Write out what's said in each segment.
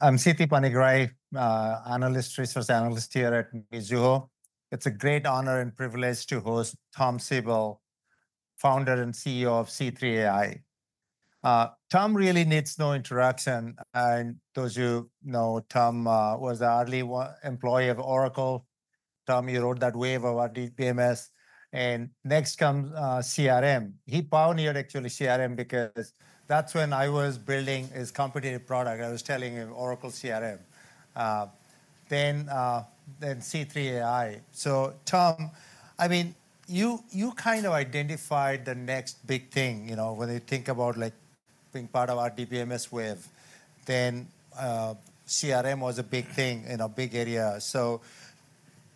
I'm Siti Panigrahi, analyst, research analyst here at Mizuho. It's a great honor and privilege to host Tom Siebel, founder and CEO of C3 AI. Tom really needs no introduction. Those who know Tom was an early employee of Oracle. Tom, you wrote that wave of RDBMS. Next comes CRM. He pioneered, actually, CRM because that's when I was building his competitive product. I was telling him Oracle CRM. Then C3 AI. So Tom, I mean, you kind of identified the next big thing. When you think about being part of RDBMS wave, then CRM was a big thing in a big area. So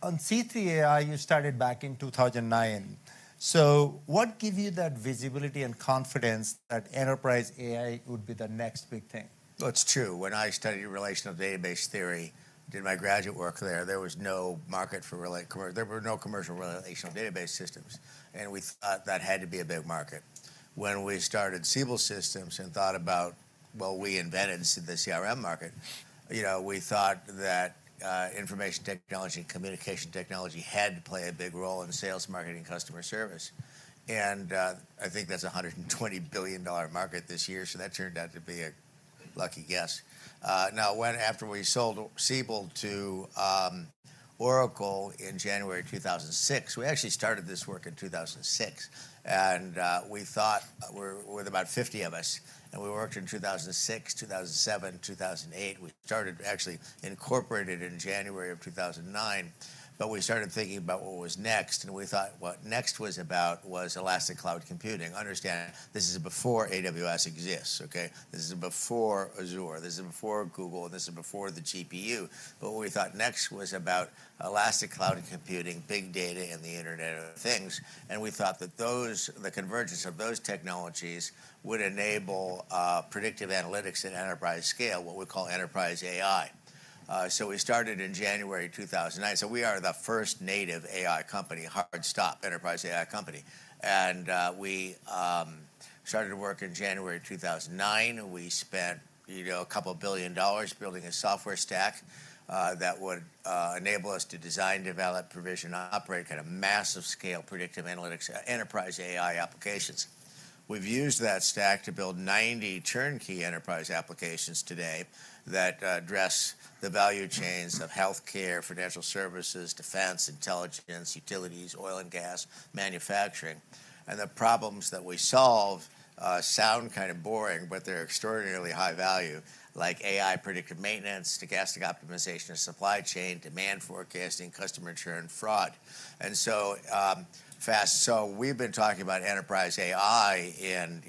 on C3 AI, you started back in 2009. So what gives you that visibility and confidence that enterprise AI would be the next big thing? Well, it's true. When I studied relational database theory, did my graduate work there, there was no market for relational. There were no commercial relational database systems. We thought that had to be a big market. When we started Siebel Systems and thought about, well, we invented the CRM market, we thought that information technology and communication technology had to play a big role in sales, marketing, and customer service. I think that's a $120 billion market this year. So that turned out to be a lucky guess. Now, after we sold Siebel to Oracle in January 2006, we actually started this work in 2006. We thought we were about 50 of us. We worked in 2006, 2007, 2008. We started actually incorporated in January of 2009. We started thinking about what was next. We thought what next was about was elastic cloud computing. Understand, this is before AWS exists. This is before Azure. This is before Google. This is before the GPU. But what we thought next was about elastic cloud computing, big data, and the Internet of Things. And we thought that the convergence of those technologies would enable predictive analytics at enterprise scale, what we call enterprise AI. So we started in January 2009. So we are the first native AI company, hard stop, enterprise AI company. And we started work in January 2009. We spent $2 billion building a software stack that would enable us to design, develop, provision, operate at a massive scale predictive analytics enterprise AI applications. We've used that stack to build 90 turnkey enterprise applications today that address the value chains of health care, financial services, defense, intelligence, utilities, oil and gas, manufacturing. The problems that we solve sound kind of boring, but they're extraordinarily high value, like AI predictive maintenance, stochastic optimization of supply chain, demand forecasting, customer churn, fraud. And so fast. So we've been talking about enterprise AI in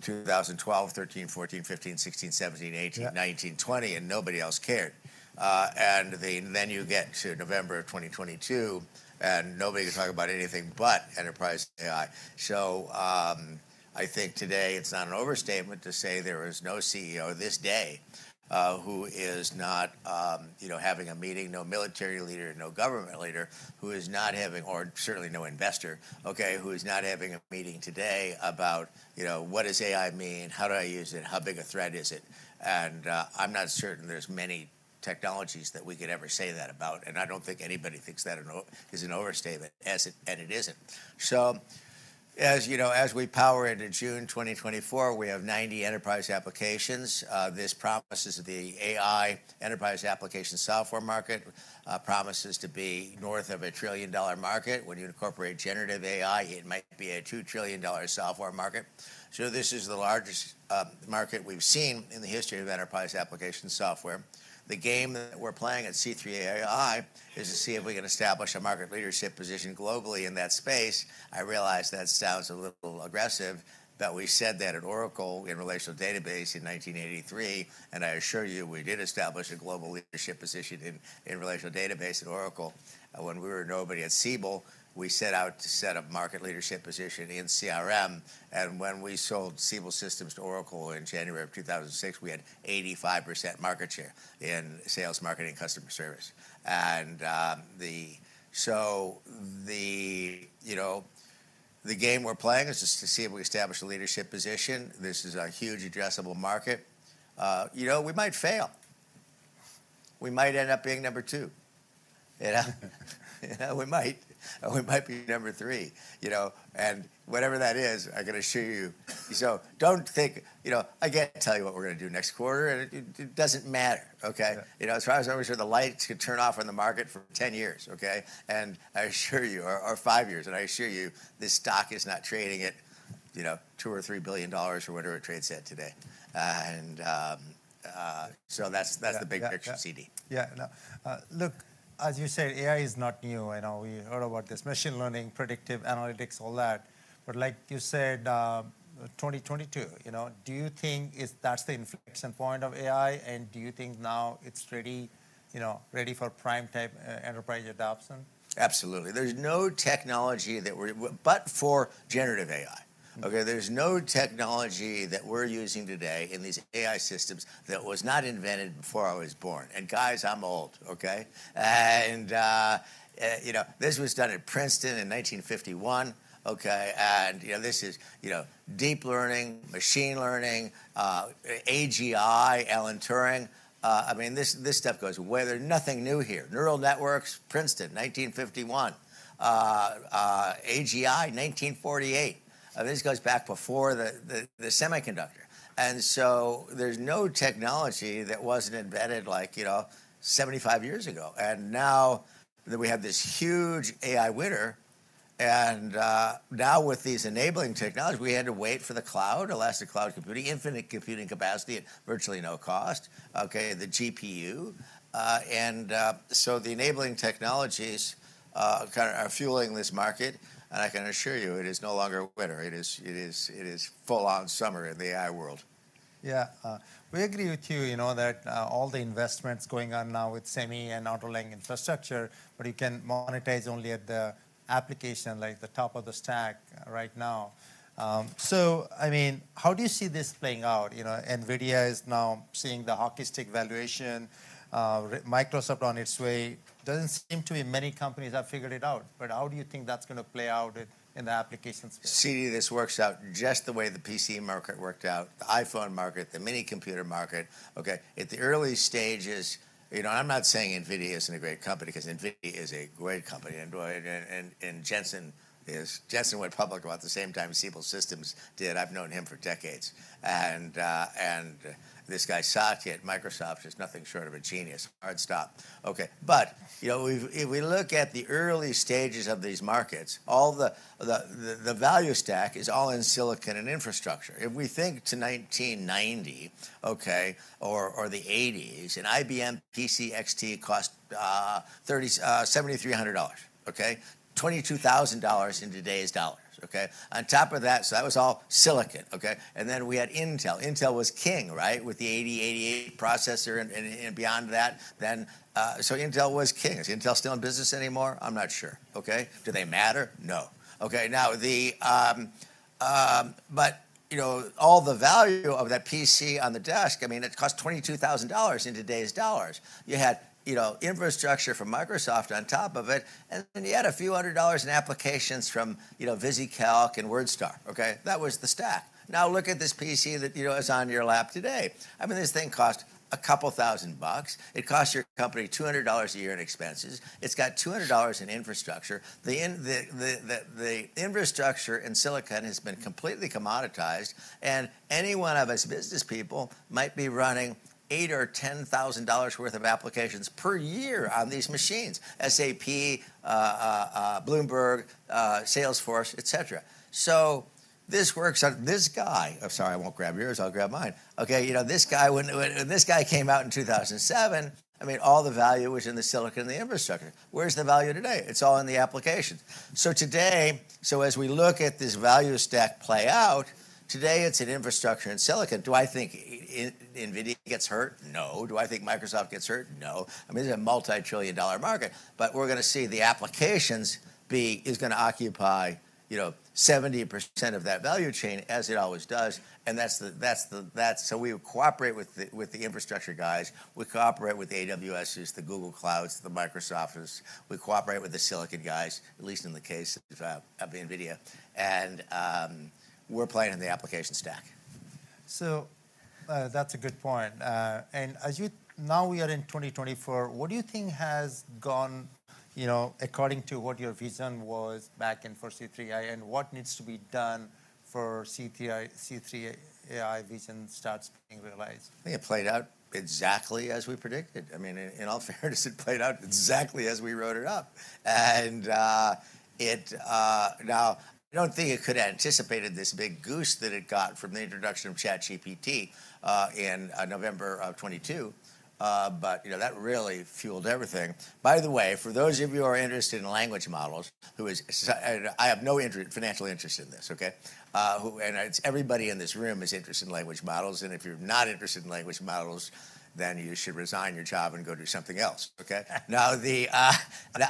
2012, 2013, 2014, 2015, 2016, 2017, 2018, 2019, 2020, and nobody else cared. And then you get to November of 2022, and nobody could talk about anything but enterprise AI. So I think today it's not an overstatement to say there is no CEO this day who is not having a meeting, no military leader, no government leader, who is not having, or certainly no investor, who is not having a meeting today about what does AI mean, how do I use it, how big a threat is it. And I'm not certain there's many technologies that we could ever say that about. I don't think anybody thinks that is an overstatement, and it isn't. So as we power into June 2024, we have 90 enterprise applications. This promises the AI enterprise application software market promises to be north of $1 trillion market. When you incorporate generative AI, it might be a $2 trillion software market. So this is the largest market we've seen in the history of enterprise application software. The game that we're playing at C3 AI is to see if we can establish a market leadership position globally in that space. I realize that sounds a little aggressive. But we said that at Oracle in relational database in 1983. And I assure you, we did establish a global leadership position in relational database at Oracle. When we were nobody at Siebel, we set out to set up a market leadership position in CRM. When we sold Siebel Systems to Oracle in January of 2006, we had 85% market share in sales, marketing, and customer service. So the game we're playing is just to see if we establish a leadership position. This is a huge addressable market. We might fail. We might end up being number two. We might be number three. And whatever that is, I can assure you. So don't think I can't tell you what we're going to do next quarter. And it doesn't matter. As far as I'm concerned, the lights could turn off on the market for 10 years. And I assure you, or five years. And I assure you, this stock is not trading at $2 billion or $3 billion or whatever it trades at today. And so that's the big picture, Siti. Yeah. Look, as you say, AI is not new. We heard about this machine learning, predictive analytics, all that. But like you said, 2022, do you think that's the inflection point of AI? And do you think now it's ready for prime type enterprise adoption? Absolutely. There's no technology that we're using today in these AI systems that was not invented before I was born. Guys, I'm old. This was done at Princeton in 1951. This is deep learning, machine learning, AGI, Alan Turing. I mean, this stuff goes where there's nothing new here. Neural networks, Princeton, 1951. AGI, 1948. This goes back before the semiconductor. So there's no technology that wasn't invented like 75 years ago. Now that we have this huge AI winner, now with these enabling technologies, we had to wait for the cloud, elastic cloud computing, infinite computing capacity at virtually no cost, the GPU. The enabling technologies kind of are fueling this market. I can assure you, it is no longer winter. It is full-on summer in the AI world. Yeah. We agree with you that all the investments going on now with semis and autonomous AI infrastructure, but you can monetize only at the application, like the top of the stack right now. So I mean, how do you see this playing out? NVIDIA is now seeing the hockey stick valuation. Microsoft on its way. Doesn't seem to be many companies have figured it out. But how do you think that's going to play out in the applications? Siti, this works out just the way the PC market worked out, the iPhone market, the mini computer market. At the early stages, I'm not saying NVIDIA isn't a great company because NVIDIA is a great company. Jensen went public about the same time Siebel Systems did. I've known him for decades. This guy, Satya at Microsoft, is nothing short of a genius. Hard stop. If we look at the early stages of these markets, the value stack is all in silicon and infrastructure. If we think to 1990 or the '80s, an IBM PC XT cost $7,300, $22,000 in today's dollars. On top of that, so that was all silicon. Then we had Intel. Intel was king with the 8088 processor and beyond that. So Intel was king. Is Intel still in business anymore? I'm not sure. Do they matter? No. But all the value of that PC on the desk, I mean, it costs $22,000 in today's dollars. You had infrastructure from Microsoft on top of it. And then you had a few hundred dollars in applications from VisiCalc and WordStar. That was the stack. Now look at this PC that is on your lap today. I mean, this thing costs a couple thousand bucks. It costs your company $200 a year in expenses. It's got $200 in infrastructure. The infrastructure in silicon has been completely commoditized. And any one of us business people might be running $8,000 or $10,000 worth of applications per year on these machines, SAP, Bloomberg, Salesforce, et cetera. So this works on this guy. I'm sorry, I won't grab yours. I'll grab mine. This guy came out in 2007. I mean, all the value was in the silicon and the infrastructure. Where's the value today? It's all in the applications. So as we look at this value stack play out, today it's in infrastructure and silicon. Do I think NVIDIA gets hurt? No. Do I think Microsoft gets hurt? No. I mean, this is a multi-trillion-dollar market. But we're going to see the applications is going to occupy 70% of that value chain, as it always does. And so we cooperate with the infrastructure guys. We cooperate with the AWSs, the Google Clouds, the Microsofts. We cooperate with the silicon guys, at least in the case of NVIDIA. And we're playing in the application stack. That's a good point. Now we are in 2024. What do you think has gone according to what your vision was back in for C3 AI? What needs to be done for C3 AI vision starts being realized? I think it played out exactly as we predicted. I mean, in all fairness, it played out exactly as we wrote it up. Now, I don't think it could have anticipated this big boost that it got from the introduction of ChatGPT in November 2022. But that really fueled everything. By the way, for those of you who are interested in language models, I have no financial interest in this. And everybody in this room is interested in language models. And if you're not interested in language models, then you should resign your job and go do something else. Now,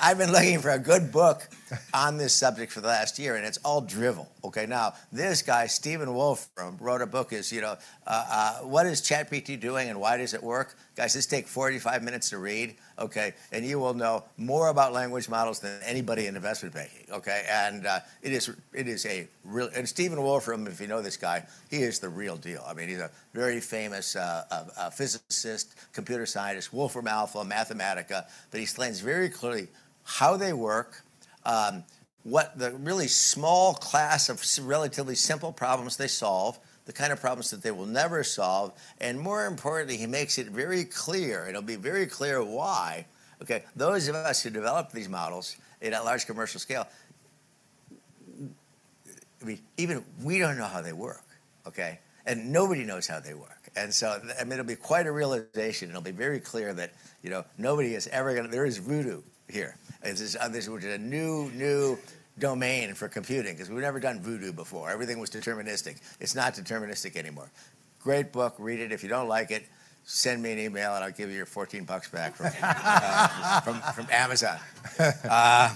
I've been looking for a good book on this subject for the last year. And it's all drivel. Now, this guy, Stephen Wolfram, wrote a book. What is ChatGPT doing? And why does it work? Guys, this takes 45 minutes to read. You will know more about language models than anybody in investment banking. It is a real and Stephen Wolfram, if you know this guy, he is the real deal. I mean, he's a very famous physicist, computer scientist, Wolfram Alpha, Mathematica. But he explains very clearly how they work, what the really small class of relatively simple problems they solve, the kind of problems that they will never solve. And more importantly, he makes it very clear. It'll be very clear why. Those of us who develop these models at large commercial scale, even we don't know how they work. And nobody knows how they work. And so it'll be quite a realization. It'll be very clear that nobody has ever there is Voodoo here. This is a new domain for computing because we've never done Voodoo before. Everything was deterministic. It's not deterministic anymore. Great book. Read it. If you don't like it, send me an email. I'll give you your $14 back from Amazon. I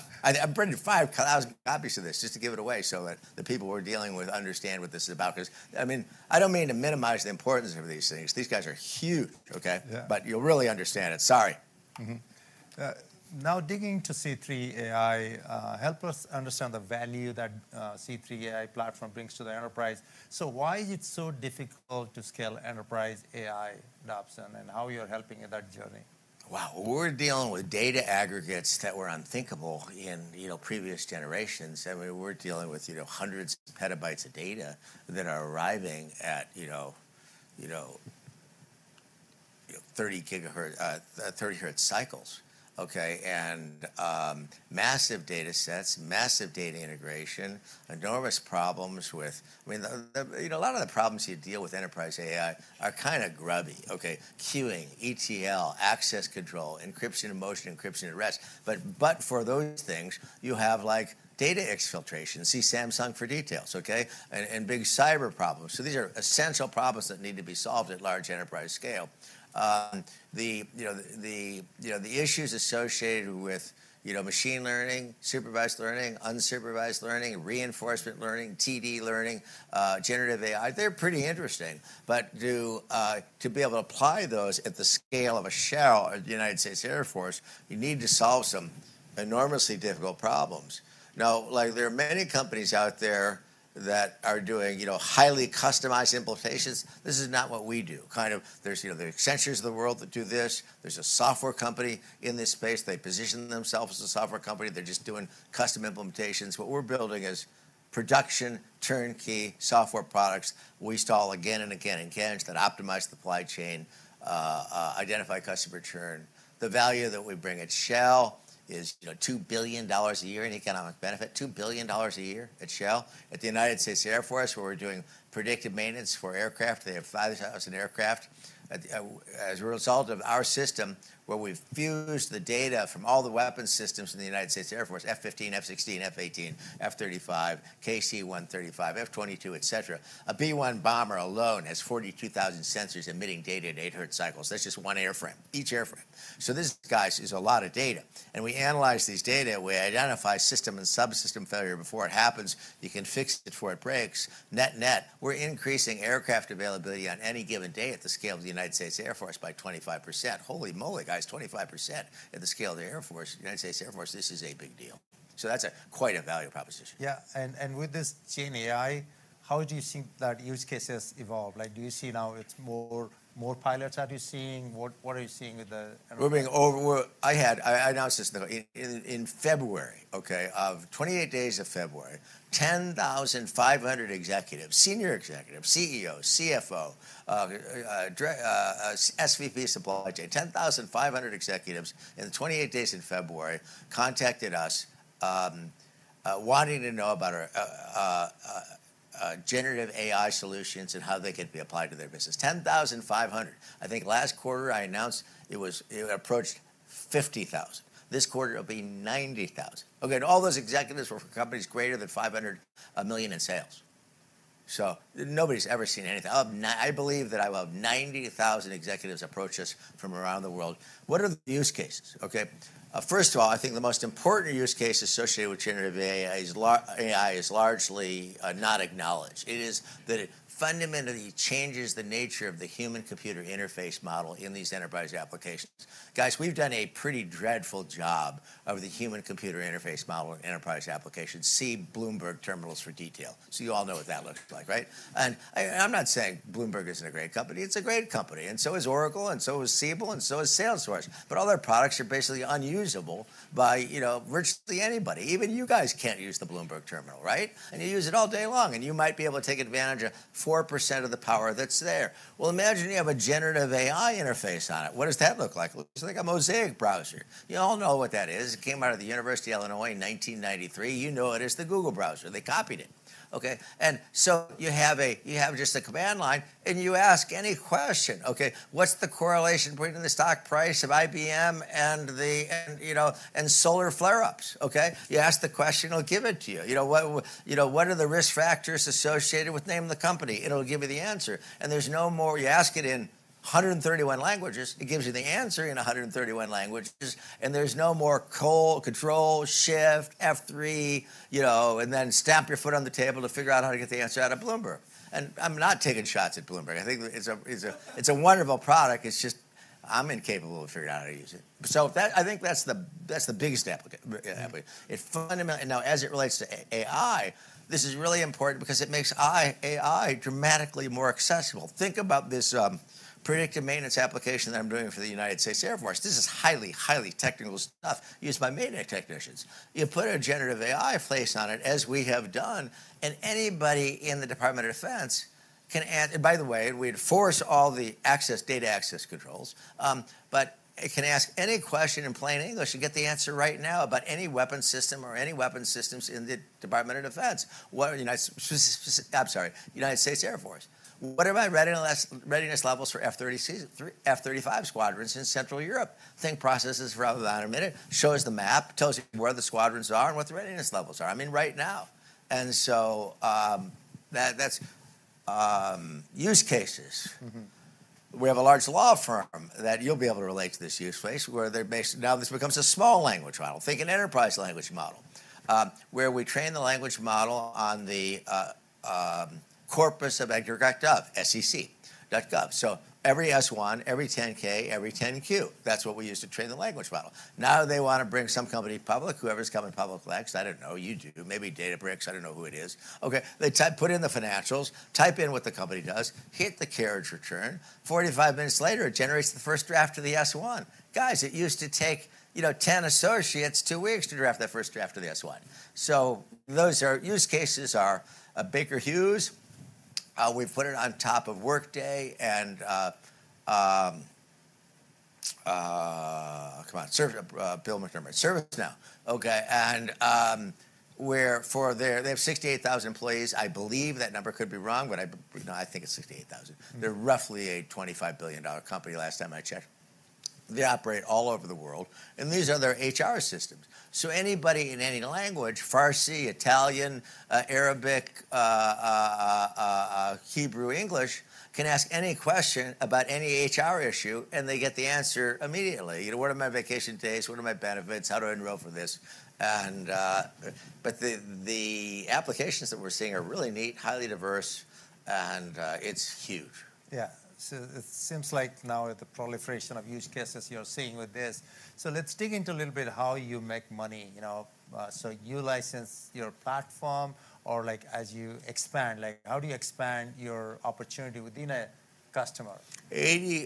printed 5,000 copies of this just to give it away so that the people we're dealing with understand what this is about. I mean, I don't mean to minimize the importance of these things. These guys are huge. But you'll really understand it. Sorry. Now, digging into C3 AI, help us understand the value that C3 AI platform brings to the enterprise. So why is it so difficult to scale enterprise AI adoption? And how are you helping in that journey? Wow. We're dealing with data aggregates that were unthinkable in previous generations. I mean, we're dealing with hundreds of PB of data that are arriving at 30 GHz cycles. Massive data sets, massive data integration, enormous problems with I mean, a lot of the problems you deal with Enterprise AI are kind of grubby. Queuing, ETL, access control, encryption in motion, encryption at rest. But for those things, you have data exfiltration. See Samsung for details. And big cyber problems. So these are essential problems that need to be solved at large enterprise scale. The issues associated with machine learning, supervised learning, unsupervised learning, reinforcement learning, TD learning, generative AI, they're pretty interesting. But to be able to apply those at the scale of a Shell or the United States Air Force, you need to solve some enormously difficult problems. Now, there are many companies out there that are doing highly customized implementations. This is not what we do. Kind of there's the Accenture of the world that do this. There's a software company in this space. They position themselves as a software company. They're just doing custom implementations. What we're building is production turnkey software products we sell again and again and can that optimize supply chain, identify customer churn. The value that we bring at Shell is $2 billion a year in economic benefit. $2 billion a year at Shell. At the United States Air Force, where we're doing predictive maintenance for aircraft, they have 5,000 aircraft. As a result of our system, where we've fused the data from all the weapons systems in the United States Air Force, F-15, F-16, F-18, F-35, KC-135, F-22, et cetera. A B-1 bomber alone has 42,000 sensors emitting data at 800 cycles. That's just one airframe, each airframe. So this, guys, is a lot of data. And we analyze these data. We identify system and subsystem failure before it happens. You can fix it before it breaks, net net. We're increasing aircraft availability on any given day at the scale of the United States Air Force by 25%. Holy moly, guys, 25% at the scale of the United States Air Force. This is a big deal. So that's quite a value proposition. Yeah. And with this GenAI, how do you think that use cases evolve? Do you see now it's more pilots that you're seeing? What are you seeing with the? I announced this in February of 28 days of February. 10,500 executives, senior executives, CEOs, CFOs, SVPs supply chain, 10,500 executives in 28 days in February contacted us wanting to know about generative AI solutions and how they could be applied to their business. 10,500. I think last quarter, I announced it approached 50,000. This quarter, it'll be 90,000. All those executives were for companies greater than $500 million in sales. So nobody's ever seen anything. I believe that I have 90,000 executives approach us from around the world. What are the use cases? First of all, I think the most important use case associated with generative AI is largely not acknowledged. It is that it fundamentally changes the nature of the human-computer interface model in these enterprise applications. Guys, we've done a pretty dreadful job of the human-computer interface model in enterprise applications. See Bloomberg Terminals for detail. So you all know what that looks like. I'm not saying Bloomberg isn't a great company. It's a great company. So is Oracle. So is Siebel. So is Salesforce. But all their products are basically unusable by virtually anybody. Even you guys can't use the Bloomberg Terminal. And you use it all day long. And you might be able to take advantage of 4% of the power that's there. Well, imagine you have a generative AI interface on it. What does that look like? It looks like a Mosaic browser. You all know what that is. It came out of the University of Illinois in 1993. You know it is the Google browser. They copied it. And so you have just a command line. And you ask any question. What's the correlation point in the stock price of IBM and solar flare-ups? You ask the question. It'll give it to you. What are the risk factors associated with the name of the company? It'll give you the answer. And there's no more you ask it in 131 languages. It gives you the answer in 131 languages. And there's no more control, shift, F3, and then stamp your foot on the table to figure out how to get the answer out of Bloomberg. And I'm not taking shots at Bloomberg. I think it's a wonderful product. It's just I'm incapable of figuring out how to use it. So I think that's the biggest application. Now, as it relates to AI, this is really important because it makes AI dramatically more accessible. Think about this predictive maintenance application that I'm doing for the United States Air Force. This is highly, highly technical stuff used by maintenance technicians. You put a generative AI place on it, as we have done. Anybody in the Department of Defense can, by the way, we enforce all the access, data access controls. But it can ask any question in plain English and get the answer right now about any weapon system or any weapon systems in the Department of Defense. I'm sorry, United States Air Force. What about readiness levels for F-35 Squadrons in Central Europe? Think processes rather than a minute. Shows the map. Tells you where the squadrons are and what the readiness levels are. I mean, right now. And so that's use cases. We have a large law firm that you'll be able to relate to this use case where they're based. Now this becomes a small language model. Think an enterprise language model where we train the language model on the corpus of EDGAR, SEC. So every S-1, every 10-K, every 10-Q, that's what we use to train the language model. Now they want to bring some company public. Whoever's coming public next, I don't know. You do. Maybe Databricks. I don't know who it is. They put in the financials, type in what the company does, hit the carriage return. 45 minutes later, it generates the first draft of the S-1. Guys, it used to take 10 associates two weeks to draft that first draft of the S-1. So those use cases are Baker Hughes. We've put it on top of Workday and come on, Bill McDermott, ServiceNow. And they have 68,000 employees. I believe that number could be wrong. But I think it's 68,000. They're roughly a $25 billion company last time I checked. They operate all over the world. And these are their HR systems. Anybody in any language, Farsi, Italian, Arabic, Hebrew, English, can ask any question about any HR issue. They get the answer immediately. What are my vacation days? What are my benefits? How do I enroll for this? But the applications that we're seeing are really neat, highly diverse. It's huge. Yeah. So it seems like now with the proliferation of use cases you're seeing with this. So let's dig into a little bit how you make money. So you license your platform or as you expand. How do you expand your opportunity within a customer?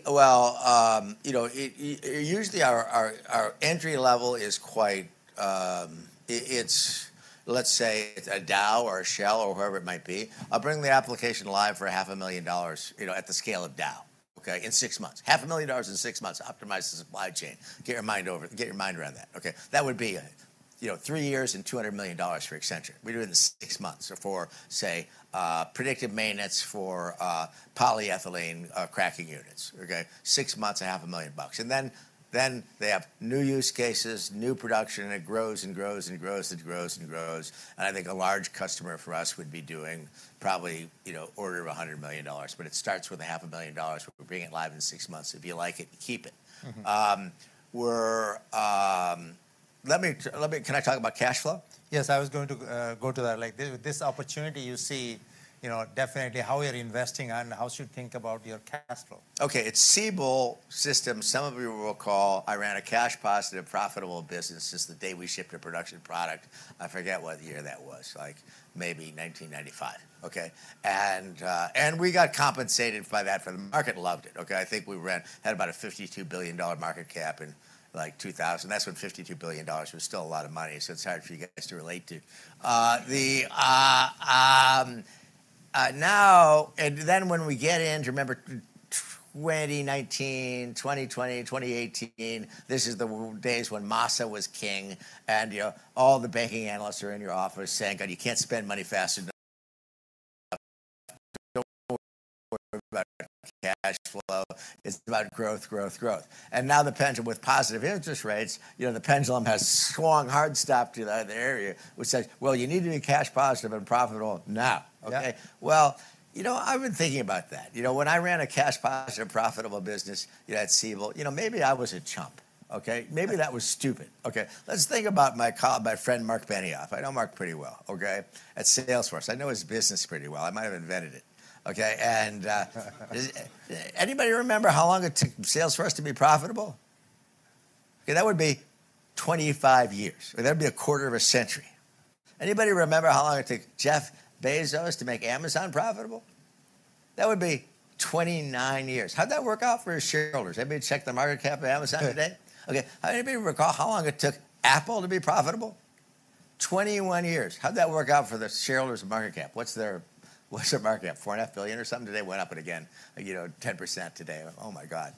Well, usually our entry level is quite, let's say it's a Dow or a Shell or wherever it might be. I'll bring the application live for $500,000 at the scale of Dow in six months. $500,000 in 6 months, optimize the supply chain. Get your mind around that. That would be three years and $200 million for Accenture. We do it in six months for, say, predictive maintenance for polyethylene cracking units. six months, $500,000. And then they have new use cases, new production. And it grows and grows and grows and grows and grows. And I think a large customer for us would be doing probably order of $100 million. But it starts with a $500,000. We're bringing it live in six months. If you like it, keep it. Can I talk about cash flow? Yes. I was going to go to that. With this opportunity, you see definitely how you're investing and how should you think about your cash flow? OK. It's Siebel Systems. Some of you will recall I ran a cash positive profitable business just the day we shipped a production product. I forget what year that was, maybe 1995. And we got compensated by that for the market loved it. I think we had about a $52 billion market cap in 2000. That's when $52 billion was still a lot of money. So it's hard for you guys to relate to. Now, and then when we get into remember 2019, 2020, 2018, this is the days when Masa was king. And all the banking analysts are in your office saying, you can't spend money faster. It's about cash flow. It's about growth, growth, growth. And now the pendulum with positive interest rates, the pendulum has swung hard stop to the other area, which says, well, you need to be cash positive and profitable now. Well, you know I've been thinking about that. When I ran a cash positive profitable business at Siebel, maybe I was a chump. Maybe that was stupid. Let's think about my friend Marc Benioff. I know Mark pretty well at Salesforce. I know his business pretty well. I might have invented it. Anybody remember how long it took Salesforce to be profitable? That would be 25 years. That would be a quarter of a century. Anybody remember how long it took Jeff Bezos to make Amazon profitable? That would be 29 years. How'd that work out for his shareholders? Anybody check the market cap of Amazon today? How many of you recall how long it took Apple to be profitable? 21 years. How'd that work out for the shareholders of market cap? What's their market cap? $4.5 billion or something. Today went up again, 10% today. Oh, my God.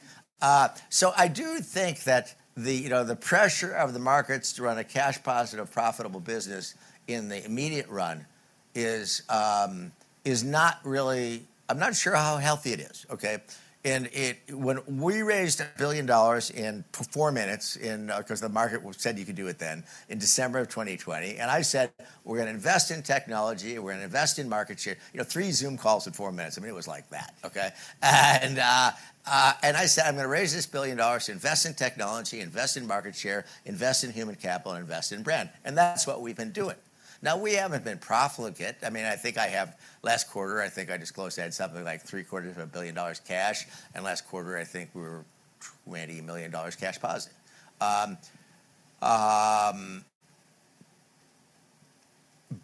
So I do think that the pressure of the markets to run a cash positive profitable business in the immediate run is not really. I'm not sure how healthy it is. And when we raised $1 billion in four minutes because the market said you could do it then in December of 2020, and I said, we're going to invest in technology. We're going to invest in market share. Three Zoom calls in four minutes. I mean, it was like that. And I said, I'm going to raise $1 billion to invest in technology, invest in market share, invest in human capital, and invest in brand. And that's what we've been doing. Now, we haven't been profligate. I mean, I think last quarter, I think I disclosed I had something like $750 million cash. Last quarter, I think we were $20 million cash positive.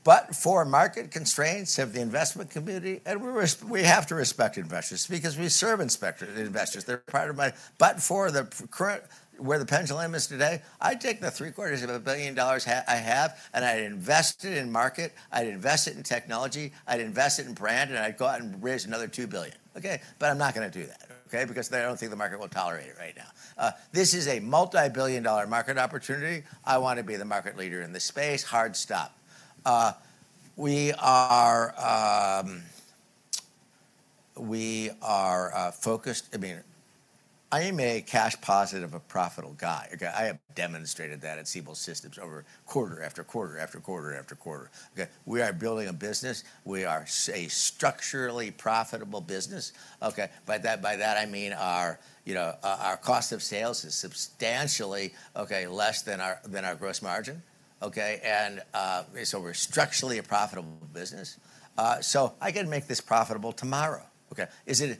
But for market constraints of the investment community, and we have to respect investors because we serve investors. They're part of my but for the current where the pendulum is today, I'd take the $750 million I have. I'd invest it in market. I'd invest it in technology. I'd invest it in brand. And I'd go out and raise another $2 billion. But I'm not going to do that because I don't think the market will tolerate it right now. This is a multi-billion dollar market opportunity. I want to be the market leader in this space. Hard stop. I mean, I am a cash positive profitable guy. I have demonstrated that at Siebel Systems over quarter-after-quarter. We are building a business. We are a structurally profitable business. By that, I mean our cost of sales is substantially less than our gross margin. So we're structurally a profitable business. So I can make this profitable tomorrow. Is it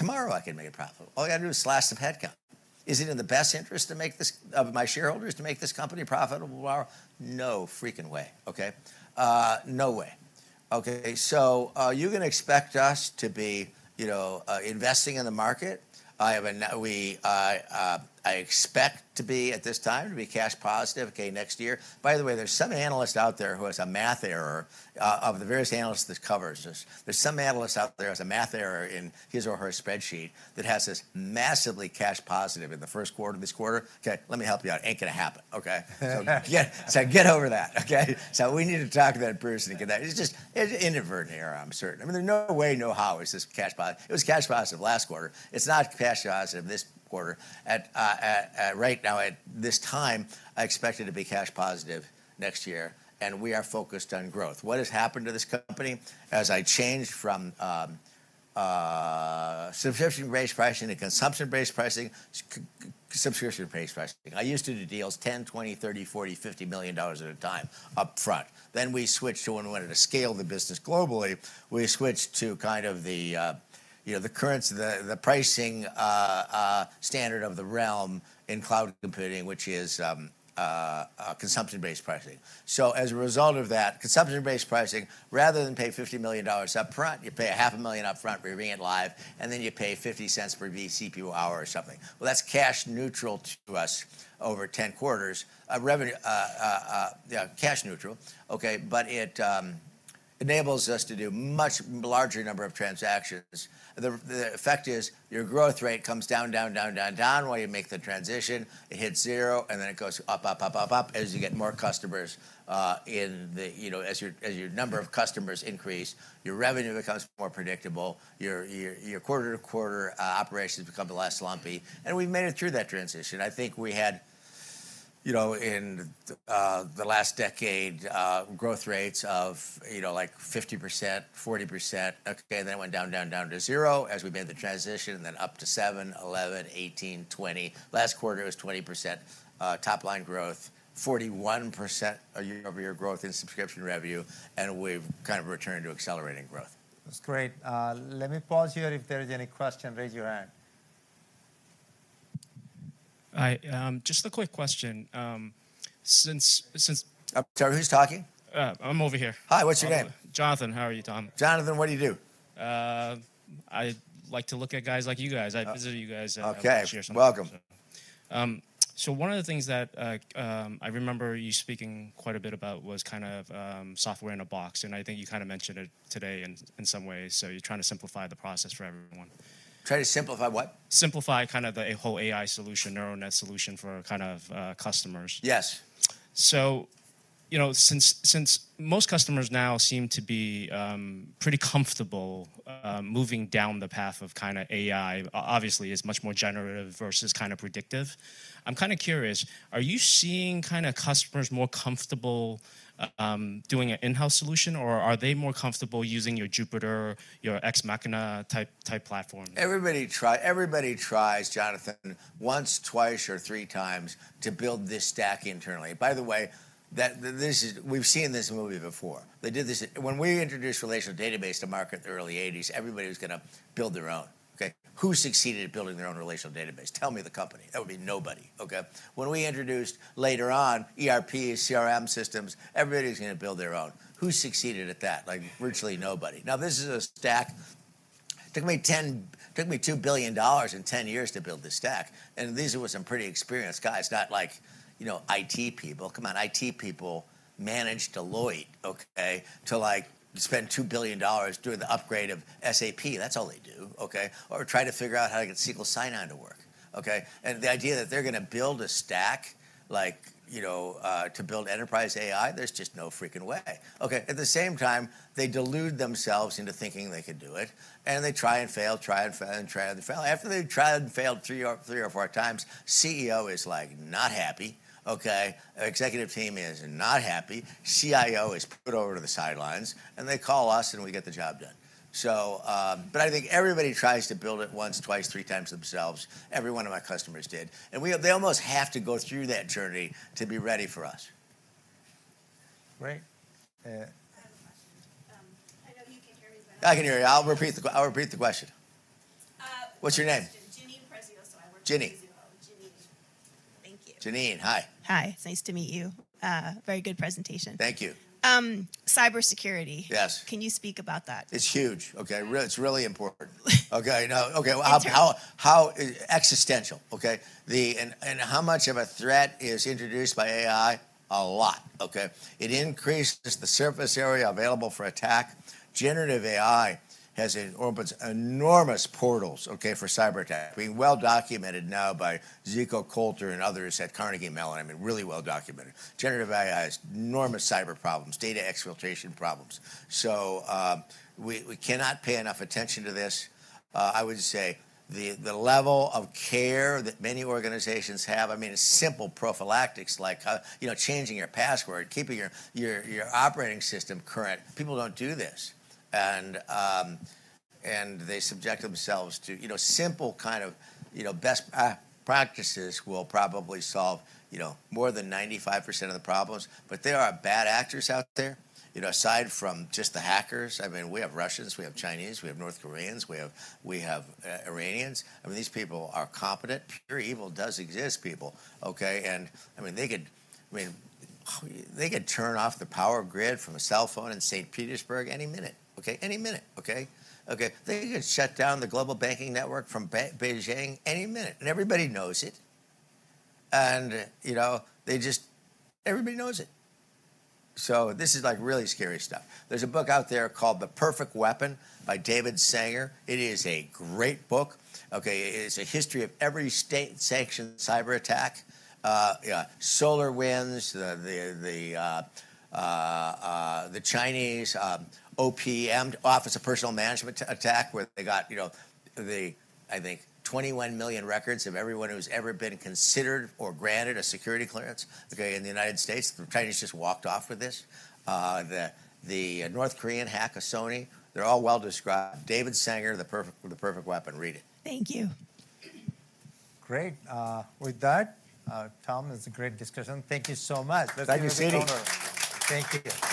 tomorrow I can make it profitable? All I got to do is slice some headcount. Is it in the best interest of my shareholders to make this company profitable tomorrow? No freaking way. No way. So you're going to expect us to be investing in the market. I expect to be at this time to be cash positive next year. By the way, there's some analyst out there who has a math error of the various analysts that covers this. There's some analysts out there who has a math error in his or her spreadsheet that has this massively cash positive in the first quarter of this quarter. Let me help you out. Ain't going to happen. So get over that. We need to talk to that person. It's just inadvertent error, I'm certain. I mean, there's no way, no how it's just cash positive. It was cash positive last quarter. It's not cash positive this quarter. Right now at this time, I expect it to be cash positive next year. And we are focused on growth. What has happened to this company as I changed from subscription-based pricing to consumption-based pricing? Subscription-based pricing. I used to do deals $10 million, $20 million, $30 million, $40 million, $50 million at a time up front. Then we switched to when we wanted to scale the business globally, we switched to kind of the current pricing standard of the realm in cloud computing, which is consumption-based pricing. So as a result of that, consumption-based pricing, rather than pay $50 million up front, you pay $500,000 up front for your reading it live. And then you pay $0.50 per VCPU hour or something. Well, that's cash neutral to us over 10 quarters. Cash neutral. But it enables us to do a much larger number of transactions. The effect is your growth rate comes down, down, down, down, down while you make the transition. It hits zero. And then it goes up, up, up, up, up as you get more customers. As your number of customers increase, your revenue becomes more predictable. Your quarter to quarter operations become less slumpy. And we've made it through that transition. I think we had in the last decade growth rates of like 50%, 40%. Then it went down, down, down to zero as we made the transition. And then up to seven, 11, 18, 20. Last quarter, it was 20% top line growth, 41% of your growth in subscription revenue. And we've kind of returned to accelerating growth. That's great. Let me pause here. If there is any question, raise your hand. Hi. Just a quick question. I'm sorry. Who's talking? I'm over here. Hi. What's your name? Jonathan. How are you, Tom? Jonathan, what do you do? I like to look at guys like you guys. I visit you guys and share something. OK. Welcome. One of the things that I remember you speaking quite a bit about was kind of software in a box. I think you kind of mentioned it today in some ways. You're trying to simplify the process for everyone. Try to simplify what? Simplify kind of a whole AI solution, neural net solution for kind of customers. Yes. So since most customers now seem to be pretty comfortable moving down the path of kind of AI, obviously is much more generative versus kind of predictive, I'm kind of curious. Are you seeing kind of customers more comfortable doing an in-house solution? Or are they more comfortable using your Jupyter, your Ex Machina type platform? Everybody tries, Jonathan, once, twice, or three times to build this stack internally. By the way, we've seen this movie before. When we introduced relational database to market in the early 1980s, everybody was going to build their own. Who succeeded at building their own relational database? Tell me the company. That would be nobody. When we introduced later on ERPs, CRM systems, everybody was going to build their own. Who succeeded at that? Virtually nobody. Now, this is a stack. It took me $2 billion in 10 years to build this stack. And these were some pretty experienced guys, not like IT people. Come on. IT people manage Deloitte to spend $2 billion doing the upgrade of SAP. That's all they do. Or try to figure out how to get SQL sign-on to work. And the idea that they're going to build a stack to build enterprise AI, there's just no freaking way. At the same time, they delude themselves into thinking they could do it. And they try and fail, try and fail, and try and fail. After they tried and failed three or four times, CEO is not happy. Executive team is not happy. CIO is put over to the sidelines. And they call us. And we get the job done. But I think everybody tries to build it once, twice, three times themselves. Every one of my customers did. And they almost have to go through that journey to be ready for us. Great. I have a question. I know you can hear me, but. I can hear you. I'll repeat the question. What's your name? Jenine Presidio. So I work for Presidio. Jenine. Thank you. Jenine. Hi. Hi. Nice to meet you. Very good presentation. Thank you. Cybersecurity. Yes. Can you speak about that? It's huge. It's really important. Existential. And how much of a threat is introduced by AI? A lot. It increases the surface area available for attack. Generative AI opens enormous portals for cyber attack. Being well documented now by Zico Kolter and others at Carnegie Mellon. I mean, really well documented. Generative AI has enormous cyber problems, data exfiltration problems. So we cannot pay enough attention to this. I would say the level of care that many organizations have, I mean, simple prophylactics like changing your password, keeping your operating system current. People don't do this. And they subject themselves to simple kind of best practices will probably solve more than 95% of the problems. But there are bad actors out there, aside from just the hackers. I mean, we have Russians. We have Chinese. We have North Koreans. We have Iranians. I mean, these people are competent. Pure evil does exist, people. And I mean, they could turn off the power grid from a cell phone in St. Petersburg any minute. Any minute. They could shut down the global banking network from Beijing any minute. And everybody knows it. And everybody knows it. So this is like really scary stuff. There's a book out there called The Perfect Weapon by David Sanger. It is a great book. It's a history of every state-sanctioned cyber attack. SolarWinds, the Chinese OPM, Office of Personnel Management Attack, where they got, I think, 21 million records of everyone who's ever been considered or granted a security clearance in the United States. The Chinese just walked off with this. The North Korean hack of Sony. They're all well described. David Sanger, The Perfect Weapon. Read it. Thank you. Great. With that, Tom, this is a great discussion. Thank you so much. Thank you, Siti. Thank you.